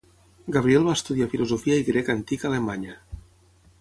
Gabriel va estudiar filosofia i grec antic a Alemanya.